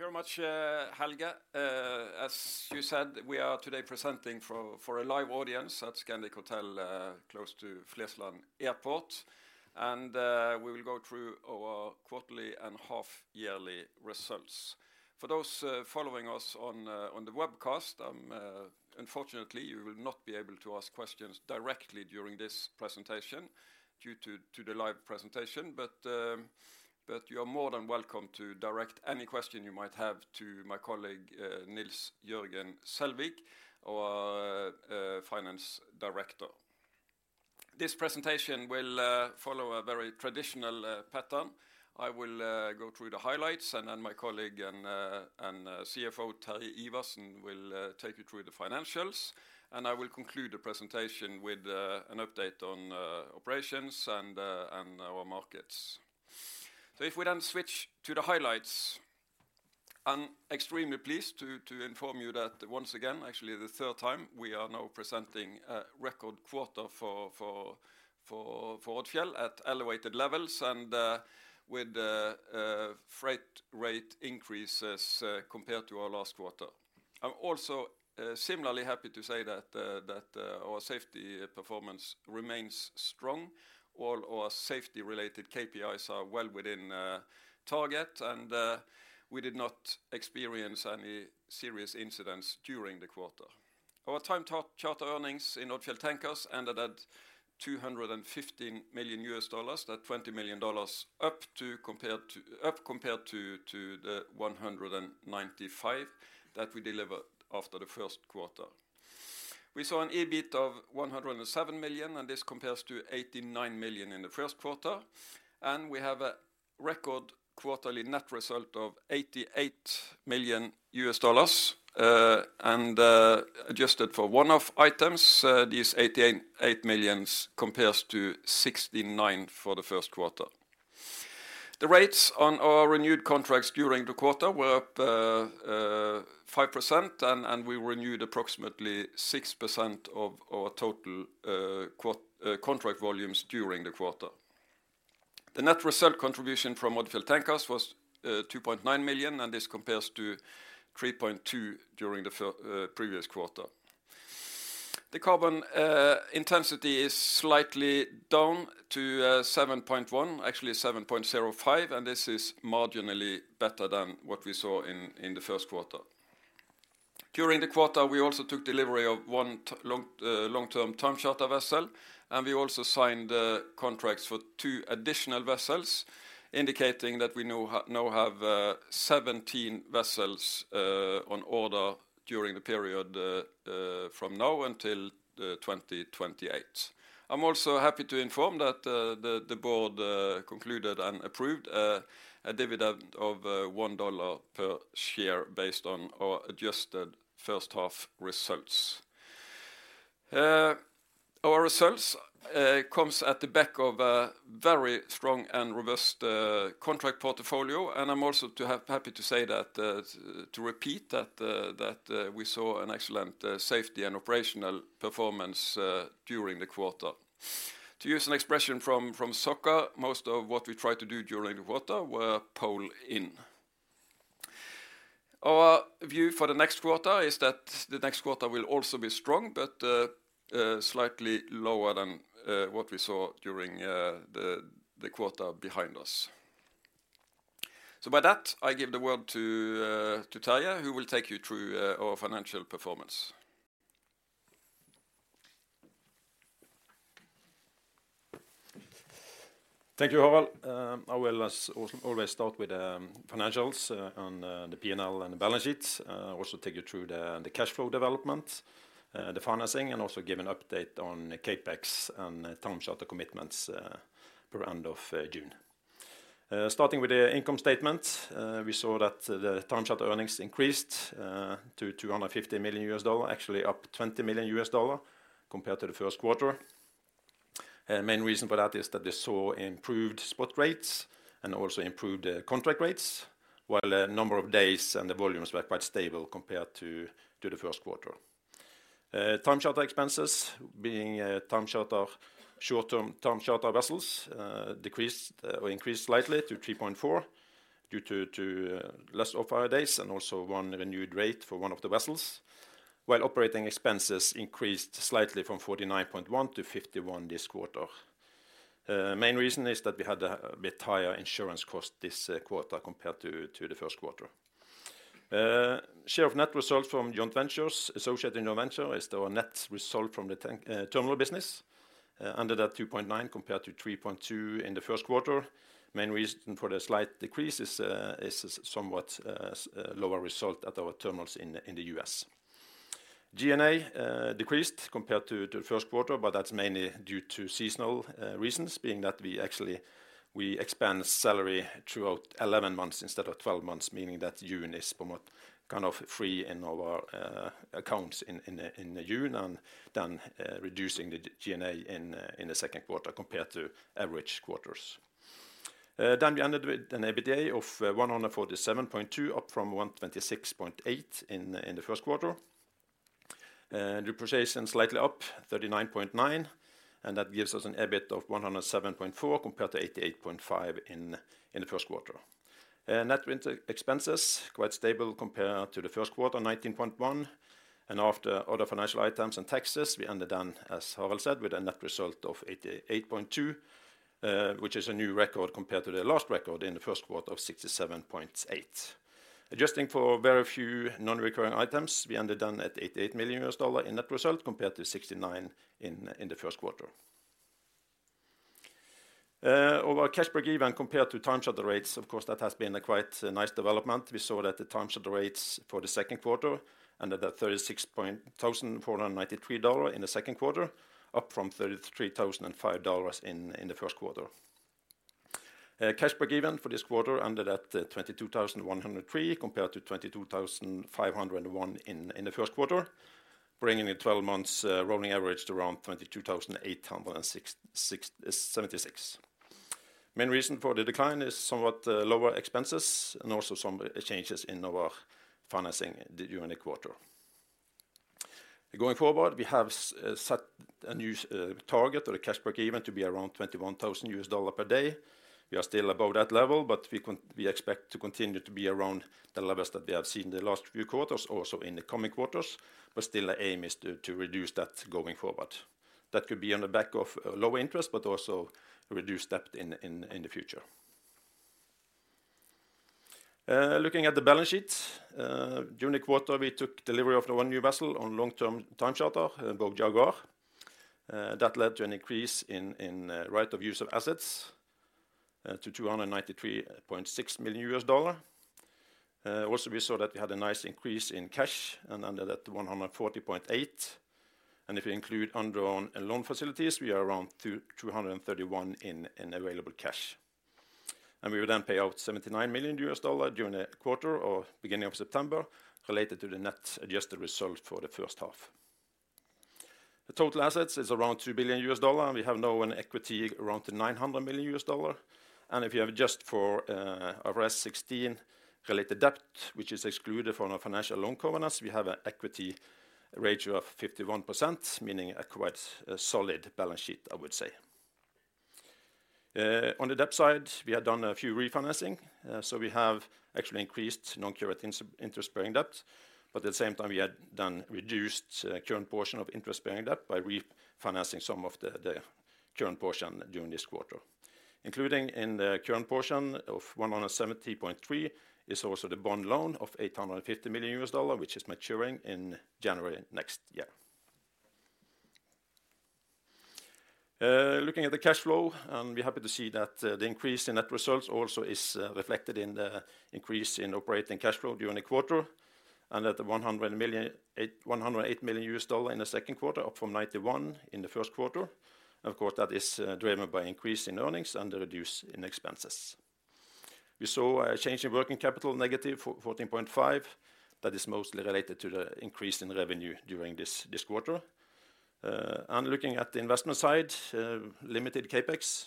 ...Thank you very much, Helga. As you said, we are today presenting for a live audience at Scandic Hotels, close to Flesland Airport. We will go through our quarterly and half yearly results. For those following us on the webcast, unfortunately, you will not be able to ask questions directly during this presentation due to the live presentation. But you are more than welcome to direct any question you might have to my colleague, Nils Jørgen Selvik, our finance director. This presentation will follow a very traditional pattern. I will go through the highlights, and then my colleague and CFO, Terje Iversen, will take you through the financials. I will conclude the presentation with an update on operations and our markets. If we then switch to the highlights, I'm extremely pleased to inform you that once again, actually the third time, we are now presenting a record quarter for Odfjell at elevated levels and with freight rate increases compared to our last quarter. I'm also similarly happy to say that our safety performance remains strong. All our safety-related KPIs are well within target, and we did not experience any serious incidents during the quarter. Our time charter earnings in Odfjell Tankers ended at $250 million. That's $20 million up compared to the $195 million that we delivered after the first quarter. We saw an EBIT of $107 million, and this compares to $89 million in the first quarter. We have a record quarterly net result of $88 million, and adjusted for one-off items, these $88 million compares to $69 million for the first quarter. The rates on our renewed contracts during the quarter were up 5%, and we renewed approximately 6% of our total contract volumes during the quarter. The net result contribution from Odfjell Tankers was $2.9 million, and this compares to $3.2 million during the previous quarter. The carbon intensity is slightly down to 7.1, actually 7.05, and this is marginally better than what we saw in the first quarter. During the quarter, we also took delivery of one t... Long-term time charter vessel, and we also signed contracts for two additional vessels, indicating that we now have 17 vessels on order during the period from now until 2028. I'm also happy to inform that the board concluded and approved a dividend of $1 per share based on our adjusted first half results. Our results comes at the back of a very strong and robust contract portfolio, and I'm also happy to say that, to repeat that, that we saw an excellent safety and operational performance during the quarter. To use an expression from soccer, most of what we tried to do during the quarter were pole in. Our view for the next quarter is that the next quarter will also be strong, but slightly lower than what we saw during the quarter behind us. So with that, I give the word to Terje, who will take you through our financial performance. Thank you, Harald. I will, as always, start with financials on the P&L and the balance sheets. Also take you through the cash flow development, the financing, and also give an update on the CapEx and time charter commitments per end of June. Starting with the income statement, we saw that the time charter earnings increased to $250 million, actually up $20 million compared to the first quarter. Main reason for that is that they saw improved spot rates and also improved contract rates, while a number of days and the volumes were quite stable compared to the first quarter. Time charter expenses, being time charter short-term time charter vessels, increased slightly to 3.4 due to less off-hire days and also one renewed rate for one of the vessels, while operating expenses increased slightly from 49.1 -51 this quarter. Main reason is that we had a bit higher insurance cost this quarter compared to the first quarter. Share of net results from joint ventures, associated venture is our net result from the tank terminal business. Under that 2.9 compared to 3.2 in the first quarter. Main reason for the slight decrease is somewhat lower result at our terminals in the U.S. G&A decreased compared to the first quarter, but that's mainly due to seasonal reasons, being that we actually expense salary throughout 11 months instead of 12 months, meaning that June is somewhat kind of free in our accounts in June, and then reducing the G&A in the second quarter compared to average quarters. Then we ended with an EBITDA of $147.2, up from $126.8 in the first quarter. Depreciation slightly up $39.9, and that gives us an EBIT of $107.4 compared to $88.5 in the first quarter. Net interest expenses, quite stable compared to the first quarter, $19.1. After other financial items and taxes, we ended up, as Harald said, with a net result of $88.2 million, which is a new record compared to the last record in the first quarter of $67.8 million. Adjusting for very few non-recurring items, we ended up at $88 million in net result, compared to $69 million in the first quarter. Our cash break-even compared to time charter rates, of course, has been a quite nice development. We saw that the time charter rates for the second quarter ended at $36,493 in the second quarter, up from $33,005 in the first quarter. Cash break-even for this quarter ended at $22,103, compared to $22,501 in the first quarter, bringing the 12 months rolling average to around $22,866. Main reason for the decline is somewhat lower expenses and also some changes in our financing during the quarter. Going forward, we have set a new target or a cash break-even to be around $21,000 per day. We are still above that level, but we expect to continue to be around the levels that we have seen in the last few quarters, also in the coming quarters, but still the aim is to reduce that going forward. That could be on the back of lower interest, but also reduced debt in the future. Looking at the balance sheet, during the quarter, we took delivery of the one new vessel on long-term time charter, Bow Jaguar. That led to an increase in right-of-use assets to $293.6 million. Also, we saw that we had a nice increase in cash and ended at $140.8 million. If you include undrawn loan facilities, we are around $231 million in available cash. We would then pay out $79 million during the quarter or beginning of September, related to the net adjusted result for the first half. The total assets is around $2 billion, and we have now an equity around the $900 million. And if you adjust for IFRS 16 related debt, which is excluded from our financial loan covenants, we have an equity ratio of 51%, meaning a quite solid balance sheet, I would say. On the debt side, we have done a few refinancing, so we have actually increased non-current interest-bearing debt, but at the same time, we had done reduced current portion of interest-bearing debt by refinancing some of the current portion during this quarter. Including in the current portion of $170.3 million is also the bond loan of $850 million, which is maturing in January next year. Looking at the cash flow, and we're happy to see that the increase in net results also is reflected in the increase in operating cash flow during the quarter, and that the $108 million in the second quarter, up from $91 million in the first quarter. Of course, that is driven by increase in earnings and the reduction in expenses. We saw a change in working capital, -14.5. That is mostly related to the increase in revenue during this quarter, and looking at the investment side, limited CapEx.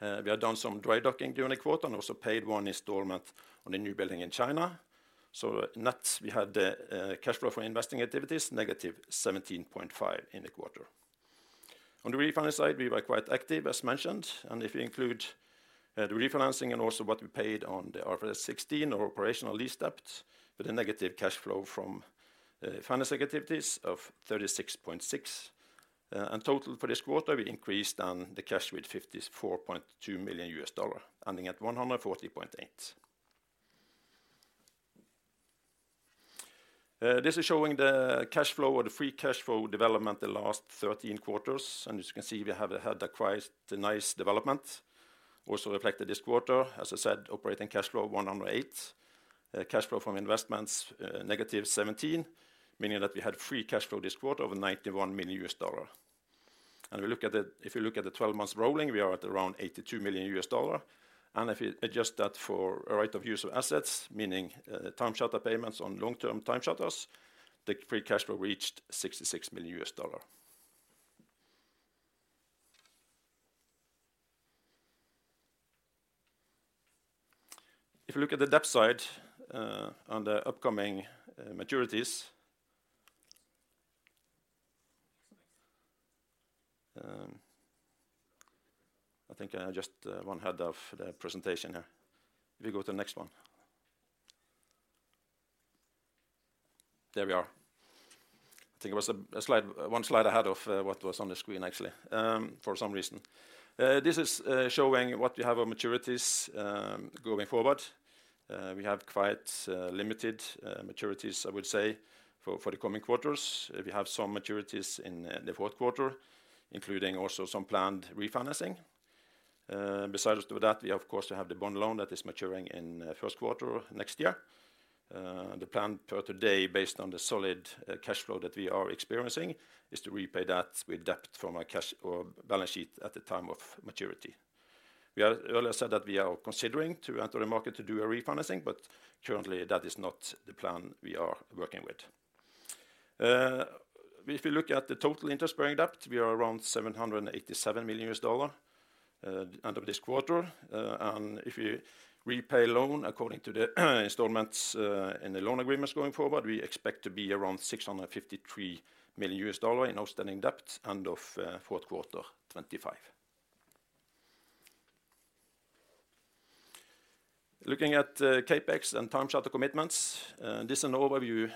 We have done some dry docking during the quarter and also paid one installment on a new building in China. So net, we had cash flow from investing activities, -17.5 in the quarter. On the refinance side, we were quite active, as mentioned, and if you include the refinancing and also what we paid on the IFRS 16 or operating lease debt, with a negative cash flow from financing activities of $36.6 million, and total for this quarter, we increased on the cash with $54.2 million, ending at $140.8 million. This is showing the cash flow or the free cash flow development the last 13 quarters, and as you can see, we have had a quite nice development. Also reflected this quarter, as I said, operating cash flow $108 million. Cash flow from investments -$17 million, meaning that we had free cash flow this quarter of $91 million. If you look at the 12 months rolling, we are at around $82 million. And if you adjust that for a right-of-use assets, meaning time charter payments on long-term time charters, the free cash flow reached $66 million. If you look at the debt side on the upcoming maturities. I think I am just one ahead of the presentation here. If you go to the next one. There we are. I think it was a slide one slide ahead of what was on the screen, actually, for some reason. This is showing what we have our maturities going forward. We have quite limited maturities, I would say, for the coming quarters. We have some maturities in the fourth quarter, including also some planned refinancing. Besides that, we of course have the bond loan that is maturing in first quarter next year. The plan per today, based on the solid cash flow that we are experiencing, is to repay that with debt from our cash or balance sheet at the time of maturity. We have earlier said that we are considering to enter the market to do a refinancing, but currently, that is not the plan we are working with. If you look at the total interest-bearing debt, we are around $787 million end of this quarter. And if you repay loan according to the installments in the loan agreements going forward, we expect to be around $653 million in outstanding debt end of fourth quarter 2025. Looking at CapEx and time charter commitments, this is an overview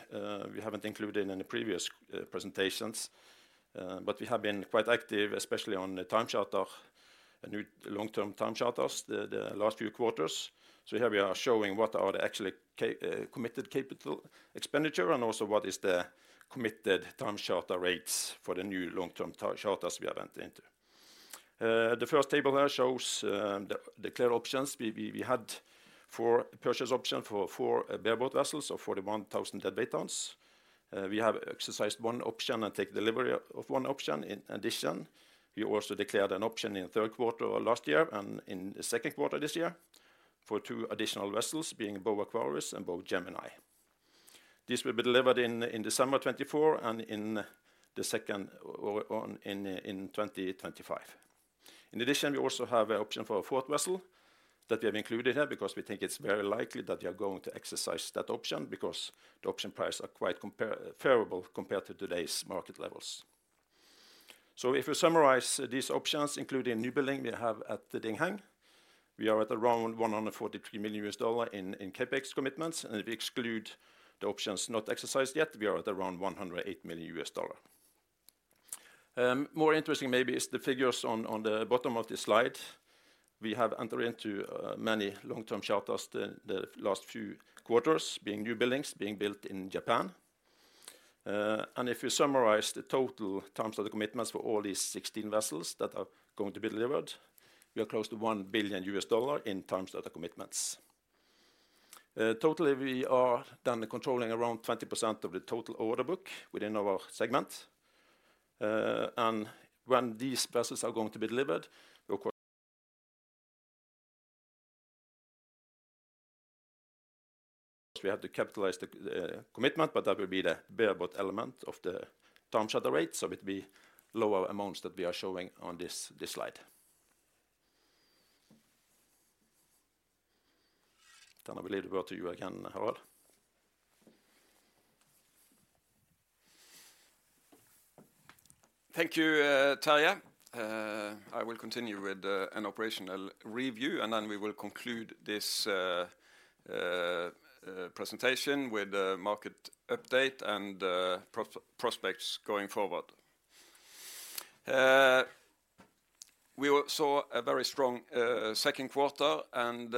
we haven't included in the previous presentations. But we have been quite active, especially on the time charter, a new long-term time charters, the last few quarters. So here we are showing what are the actually committed capital expenditure and also what is the committed time charter rates for the new long-term charters we have entered into. The first table here shows the declared options. We had four purchase option for four bareboat vessels of 41,000 deadweight tons. We have exercised one option and take delivery of one option. In addition, we also declared an option in the third quarter of last year and in the second quarter this year for two additional vessels, being Bow Aquarius and Bow Gemini. This will be delivered in December 2024 and in the second or in 2025. In addition, we also have an option for a fourth vessel that we have included here, because we think it's very likely that we are going to exercise that option, because the option price are quite favorable compared to today's market levels, so if we summarize these options, including new building we have at the Dingheng, we are at around $143 million in CapEx commitments, and if we exclude the options not exercised yet, we are at around $108 million. More interesting maybe is the figures on the bottom of this slide. We have entered into many long-term charters the last few quarters, being new buildings being built in Japan. And if you summarize the total terms of the commitments for all these 16 vessels that are going to be delivered, we are close to $1 billion in time charter commitments. Totally, we are then controlling around 20% of the total order book within our segment. And when these vessels are going to be delivered, of course, we have to capitalize the commitment, but that will be the bareboat element of the time charter rate, so it will be lower amounts that we are showing on this slide. Then I will leave the word to you again, Harald. Thank you, Terje. I will continue with an operational review, and then we will conclude this presentation with the market update and prospects going forward. We saw a very strong second quarter, and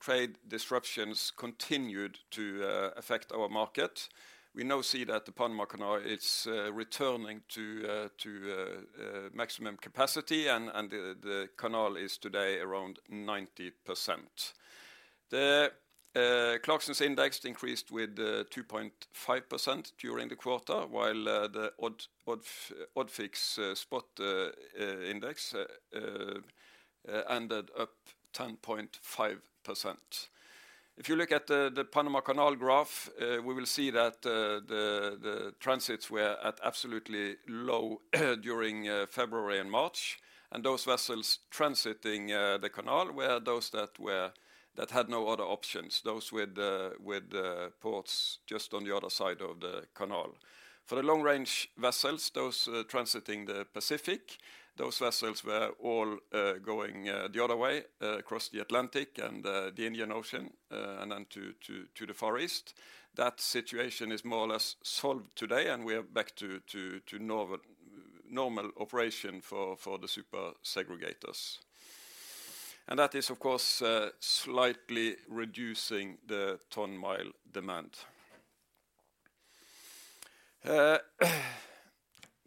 trade disruptions continued to affect our market. We now see that the Panama Canal is returning to maximum capacity, and the canal is today around 90%. The Clarksons Index increased with 2.5% during the quarter, while the Odfix Spot Index ended up 10.5%. If you look at the Panama Canal graph, we will see that the transits were at absolutely low during February and March, and those vessels transiting the canal were those that had no other options, those with ports just on the other side of the canal. For the long-range vessels, those transiting the Pacific, those vessels were all going the other way across the Atlantic and the Indian Ocean and then to the Far East. That situation is more or less solved today, and we are back to normal operation for the super segregators. That is, of course, slightly reducing the ton mile demand.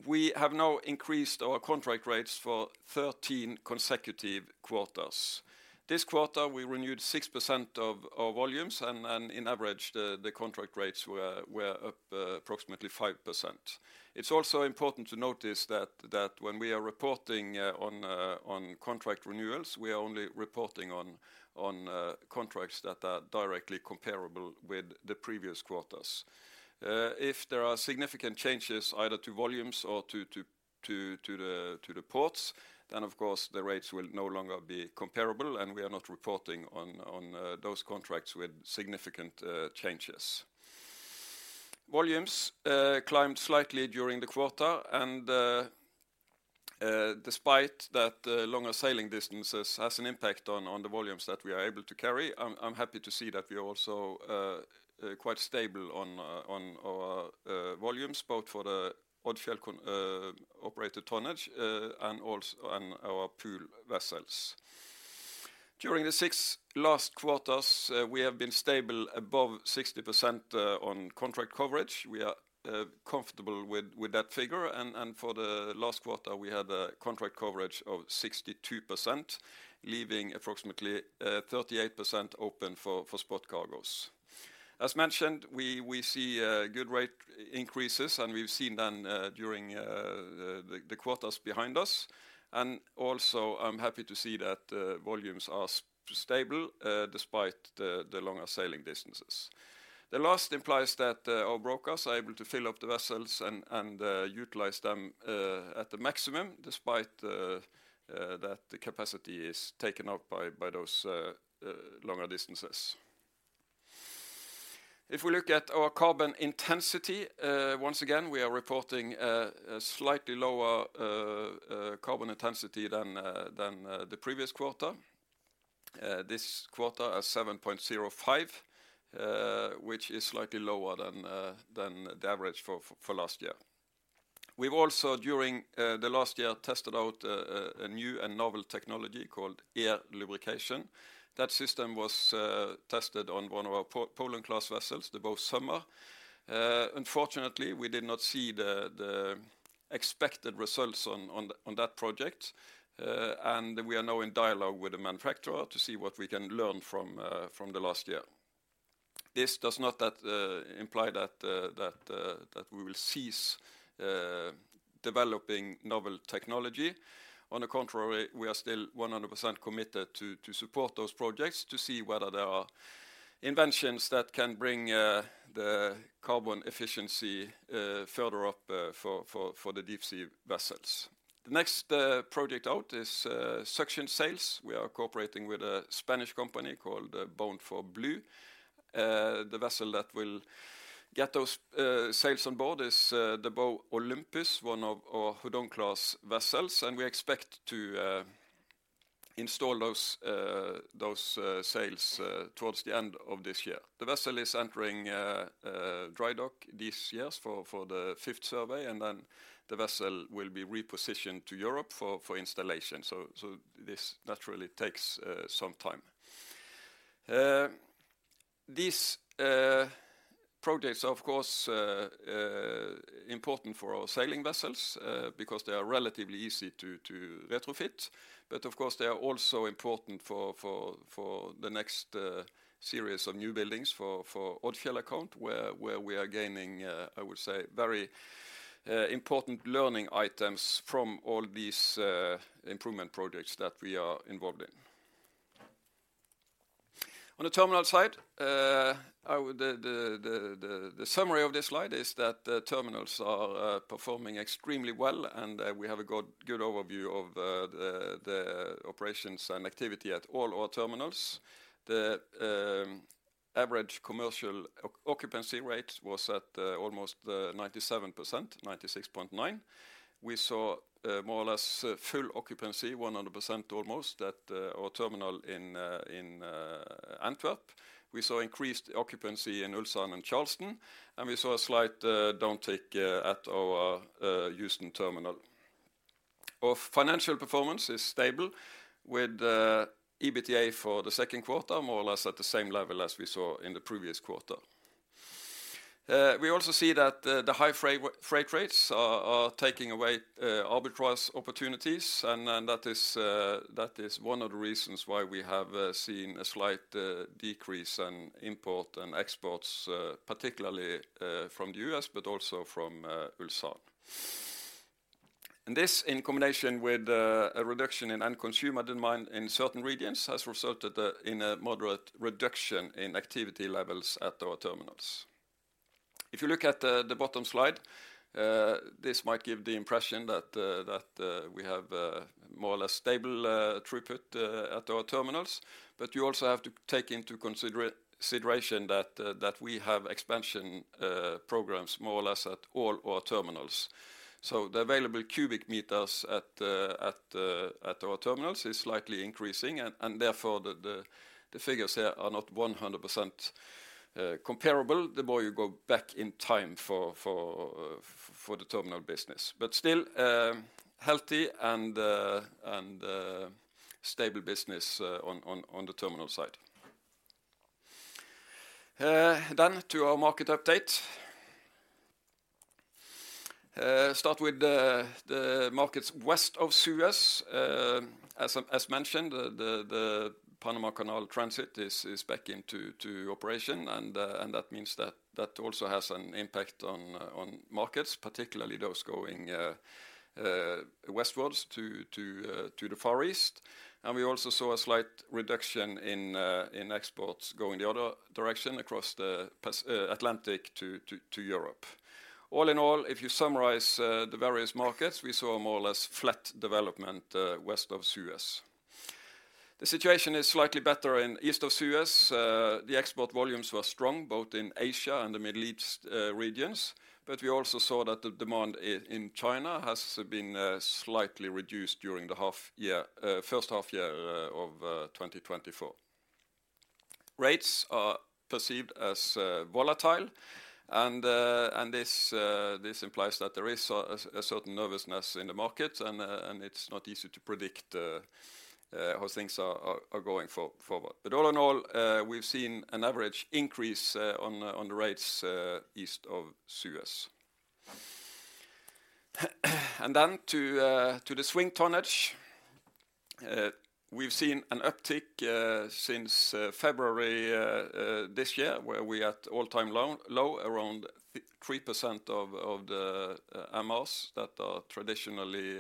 We have now increased our contract rates for 13 consecutive quarters. This quarter, we renewed 6% of our volumes, and on average, the contract rates were up approximately 5%. It's also important to notice that when we are reporting on contract renewals, we are only reporting on contracts that are directly comparable with the previous quarters. If there are significant changes, either to volumes or to the ports, then of course, the rates will no longer be comparable, and we are not reporting on those contracts with significant changes. Volumes climbed slightly during the quarter, and despite that, the longer sailing distances has an impact on the volumes that we are able to carry. I'm happy to see that we are also quite stable on our volumes, both for the Odfjell controlled-operated tonnage and our pool vessels. During the six last quarters, we have been stable above 60% on contract coverage. We are comfortable with that figure, and for the last quarter, we had a contract coverage of 62%, leaving approximately 38% open for spot cargoes. As mentioned, we see good rate increases, and we've seen them during the quarters behind us. And also, I'm happy to see that volumes are stable despite the longer sailing distances. The last implies that our brokers are able to fill up the vessels and utilize them at the maximum, despite that the capacity is taken up by those longer distances. If we look at our carbon intensity, once again, we are reporting a slightly lower carbon intensity than the previous quarter. This quarter at 7.05, which is slightly lower than the average for last year. We've also during the last year tested out a new and novel technology called air lubrication. That system was tested on one of our Poland class vessels, the Bow Summer. Unfortunately, we did not see the expected results on that project. And we are now in dialogue with the manufacturer to see what we can learn from the last year. This does not imply that we will cease developing novel technology. On the contrary, we are still 100% committed to support those projects, to see whether there are inventions that can bring the carbon efficiency further up for the deep sea vessels. The next project out is suction sails. We are cooperating with a Spanish company called bound4blue. The vessel that will get those sails on board is the Bow Olympus, one of our Hudong class vessels, and we expect to install those sails towards the end of this year. The vessel is entering dry dock this year for the fifth survey, and then the vessel will be repositioned to Europe for installation. So this naturally takes some time. These projects are, of course, important for our sailing vessels because they are relatively easy to retrofit. But of course, they are also important for the next series of new buildings for Odfjell account, where we are gaining, I would say, very important learning items from all these improvement projects that we are involved in. On the terminal side, the summary of this slide is that the terminals are performing extremely well, and we have a good overview of the operations and activity at all our terminals. The average commercial occupancy rate was at almost 97%, 96.9%. We saw more or less full occupancy, almost 100%, at our terminal in Antwerp. We saw increased occupancy in Ulsan and Charleston, and we saw a slight downtick at our Houston terminal. Our financial performance is stable, with EBITDA for the second quarter more or less at the same level as we saw in the previous quarter. We also see that the high freight rates are taking away arbitrage opportunities, and then that is one of the reasons why we have seen a slight decrease in import and exports, particularly from the U.S., but also from Ulsan. And this, in combination with a reduction in end consumer demand in certain regions, has resulted in a moderate reduction in activity levels at our terminals. If you look at the bottom slide, this might give the impression that we have more or less stable throughput at our terminals. But you also have to take into consideration that we have expansion programs more or less at all our terminals. So the available cubic meters at our terminals is slightly increasing, and therefore, the figures here are not 100% comparable the more you go back in time for the terminal business. But still, healthy and stable business on the terminal side. Then to our market update. Start with the markets West of Suez. As I mentioned, the Panama Canal transit is back into operation, and that means that also has an impact on markets, particularly those going westwards to the Far East. And we also saw a slight reduction in exports going the other direction across the Atlantic to Europe. All in all, if you summarize the various markets, we saw a more or less flat development West of Suez. The situation is slightly better in East of Suez. The export volumes were strong both in Asia and the Middle East regions, but we also saw that the demand in China has been slightly reduced during the first half year of 2024. Rates are perceived as volatile, and this implies that there is a certain nervousness in the market, and it's not easy to predict how things are going forward. But all in all, we've seen an average increase on the rates East of Suez. And then to the swing tonnage. We've seen an uptick since February this year, where we at all-time low around 3% of the MRs that are traditionally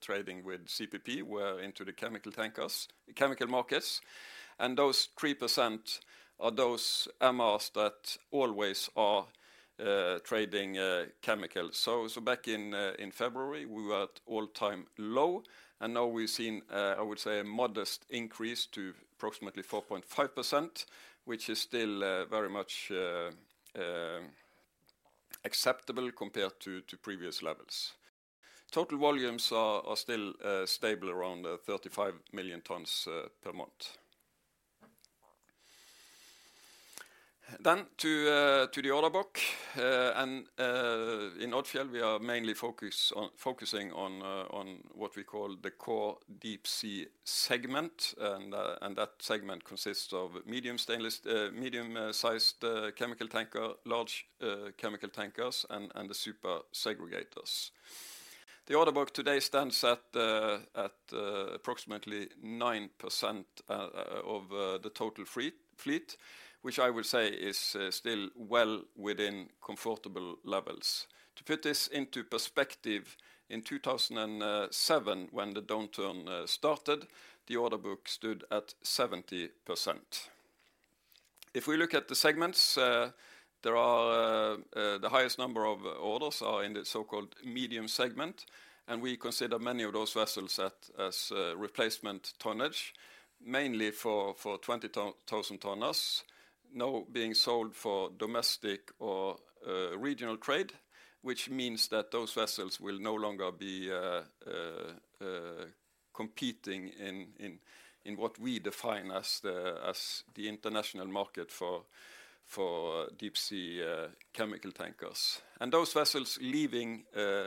trading with CPP were into the chemical tankers chemical markets. And those 3% are those MRs that always are trading chemicals. So back in February, we were at all-time low, and now we've seen I would say a modest increase to approximately 4.5%, which is still very much acceptable compared to previous levels. Total volumes are still stable around 35 million tons per month. Then to the order book. And in Odfjell, we are mainly focusing on what we call the core deep sea segment. That segment consists of medium-sized chemical tanker, large chemical tankers, and the super segregators. The order book today stands at approximately 9% of the total fleet, which I would say is still well within comfortable levels. To put this into perspective, in 2007, when the downturn started, the order book stood at 70%. If we look at the segments, there are the highest number of orders in the so-called medium segment, and we consider many of those vessels as replacement tonnage, mainly for 20,000 tonners, now being sold for domestic or regional trade, which means that those vessels will no longer be competing in what we define as the international market for deep-sea chemical tankers, and those vessels leaving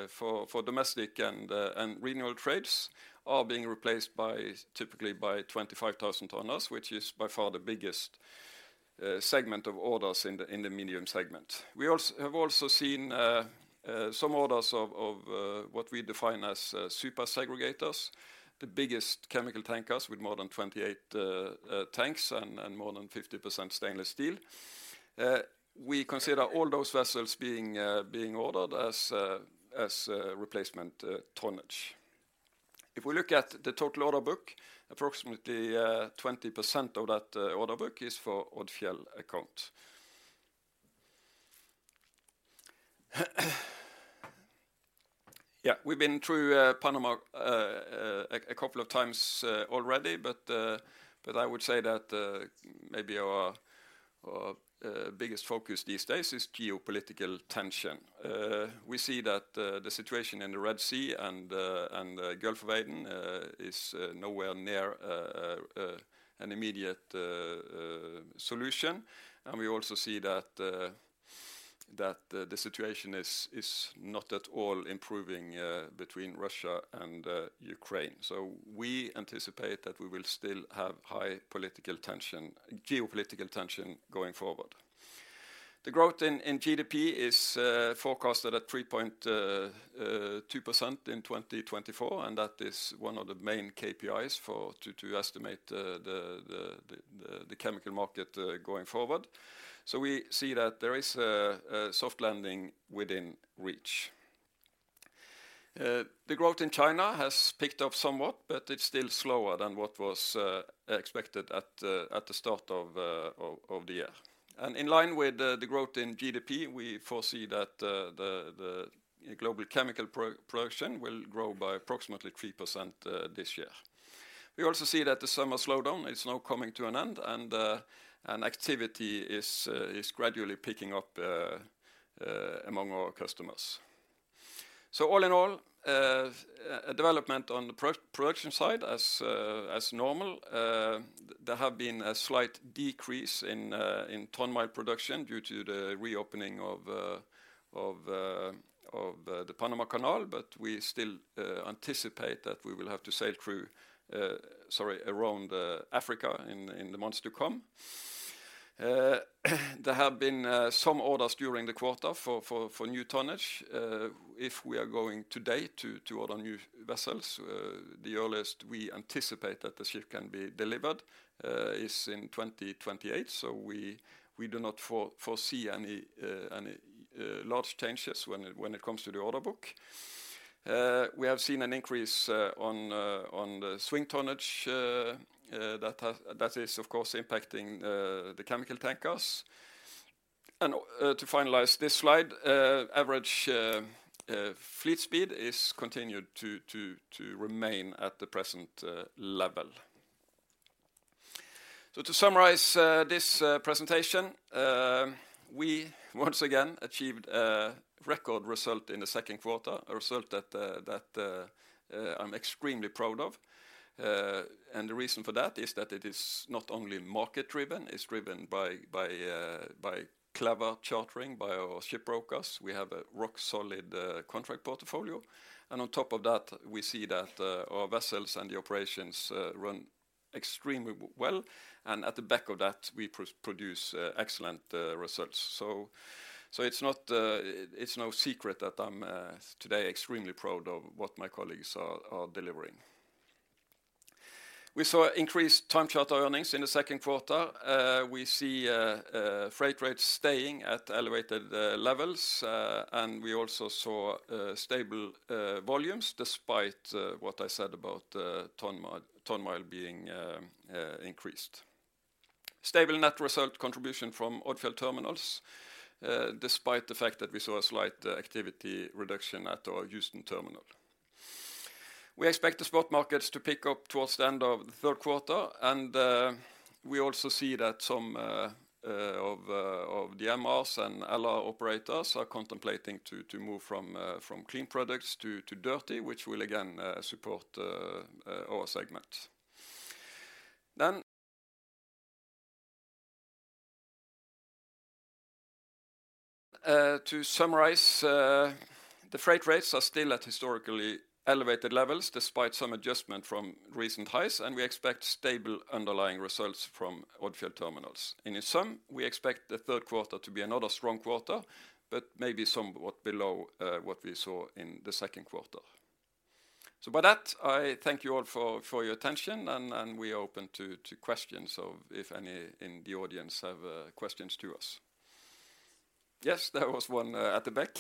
for domestic and renewal trades are being replaced typically by 25,000 thousand tonners, which is by far the biggest segment of orders in the medium segment. We also have also seen some orders of what we define as super segregators, the biggest chemical tankers with more than 28 tanks and more than 50% stainless steel. We consider all those vessels being ordered as replacement tonnage. If we look at the total order book, approximately 20% of that order book is for Odfjell account. Yeah, we've been through Panama a couple of times already, but I would say that maybe our biggest focus these days is geopolitical tension. We see that the situation in the Red Sea and the Gulf of Aden is nowhere near an immediate solution. And we also see that the situation is not at all improving between Russia and Ukraine. So we anticipate that we will still have high political tension, geopolitical tension going forward. The growth in GDP is forecasted at 3.2% in 2024, and that is one of the main KPIs to estimate the chemical market going forward. So we see that there is a soft landing within reach. The growth in China has picked up somewhat, but it's still slower than what was expected at the start of the year. And in line with the growth in GDP, we foresee that the global chemical production will grow by approximately 3% this year. We also see that the summer slowdown is now coming to an end, and activity is gradually picking up among our customers. So all in all, a development on the production side, as normal, there have been a slight decrease in ton mile production due to the reopening of the Panama Canal, but we still anticipate that we will have to sail through, sorry, around Africa in the months to come. There have been some orders during the quarter for new tonnage. If we are going today to order new vessels, the earliest we anticipate that the ship can be delivered is in 2028. So we do not foresee any large changes when it comes to the order book. We have seen an increase on the swing tonnage that is, of course, impacting the chemical tankers. And to finalize this slide, average fleet speed is continued to remain at the present level. So to summarize this presentation, we once again achieved a record result in the second quarter, a result that I'm extremely proud of. And the reason for that is that it is not only market-driven, it's driven by clever chartering by our shipbrokers. We have a rock-solid contract portfolio, and on top of that, we see that our vessels and the operations run-... extremely well, and at the back of that, we produce excellent results. So it's no secret that I'm today extremely proud of what my colleagues are delivering. We saw increased time charter earnings in the second quarter. We see freight rates staying at elevated levels, and we also saw stable volumes despite what I said about ton-mile being increased. Stable net result contribution from Odfjell Terminals, despite the fact that we saw a slight activity reduction at our Houston terminal. We expect the spot markets to pick up towards the end of the third quarter, and we also see that some of the MRs and LR operators are contemplating to move from clean products to dirty, which will again support our segment. Then, to summarize, the freight rates are still at historically elevated levels despite some adjustment from recent highs, and we expect stable underlying results from Odfjell Terminals. In sum, we expect the third quarter to be another strong quarter, but maybe somewhat below what we saw in the second quarter. So with that, I thank you all for your attention, and we are open to questions, so if any in the audience have questions to us. Yes, there was one at the back.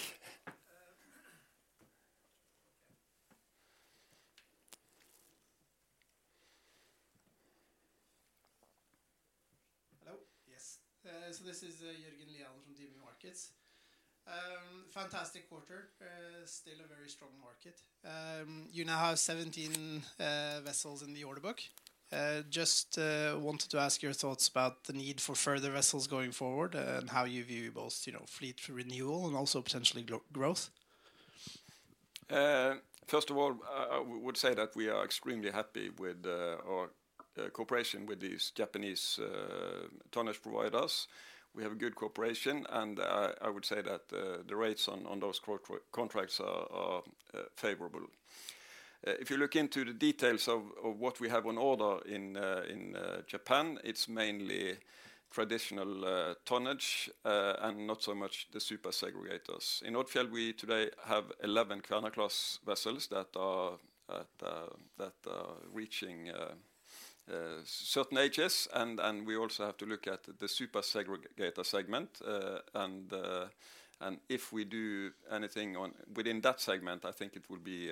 Hello. Yes, so this is Jørgen Lian from DNB Markets. Fantastic quarter. Still a very strong market. You now have 17 vessels in the order book. Just wanted to ask your thoughts about the need for further vessels going forward, and how you view both, you know, fleet renewal and also potentially growth. First of all, I would say that we are extremely happy with our cooperation with these Japanese tonnage providers. We have a good cooperation, and I would say that the rates on those contracts are favorable. If you look into the details of what we have on order in Japan, it's mainly traditional tonnage, and not so much the super segregators. In Odfjell, we today have 11 Kværner class vessels that are reaching certain ages, and we also have to look at the super segregator segment. If we do anything within that segment, I think it will be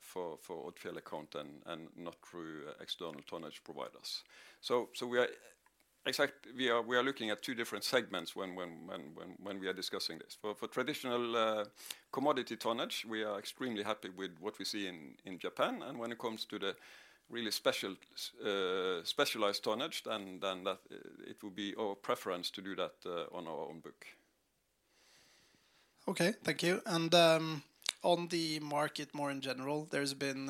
for Odfjell account and not through external tonnage providers. So we are looking at two different segments when we are discussing this. For traditional commodity tonnage, we are extremely happy with what we see in Japan, and when it comes to the really special specialized tonnage, then that it will be our preference to do that on our own book. Okay, thank you. And, on the market more in general, there's been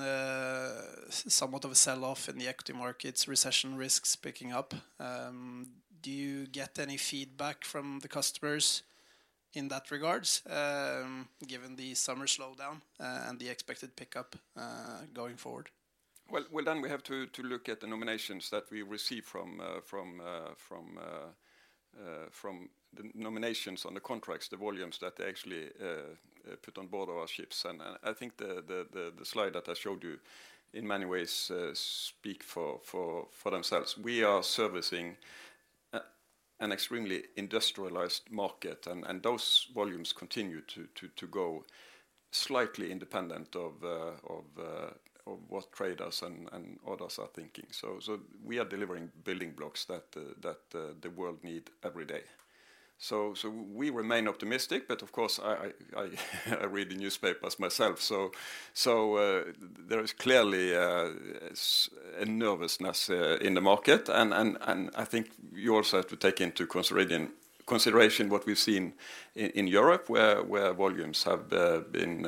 somewhat of a sell-off in the equity markets, recession risks picking up. Do you get any feedback from the customers in that regards, given the summer slowdown, and the expected pickup, going forward? Then we have to look at the nominations that we receive from the nominations on the contracts, the volumes that actually put on board our ships. I think the slide that I showed you, in many ways, speak for themselves. We are servicing an extremely industrialized market, and those volumes continue to go slightly independent of what traders and others are thinking. We are delivering building blocks that the world need every day. We remain optimistic, but of course, I read the newspapers myself. There is clearly a nervousness in the market, and I think you also have to take into consideration what we've seen in Europe, where volumes have been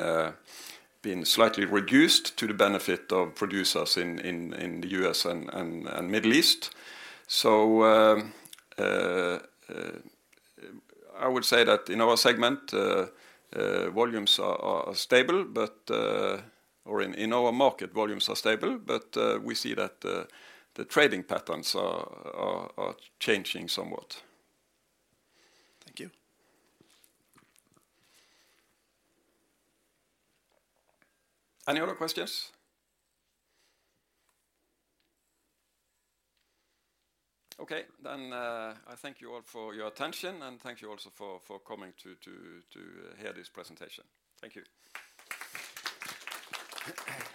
slightly reduced to the benefit of producers in the U.S. and Middle East. I would say that in our segment, volumes are stable, but... Or in our market, volumes are stable, but we see that the trading patterns are changing somewhat. Thank you. Any other questions? Okay, then, I thank you all for your attention, and thank you also for coming to hear this presentation. Thank you.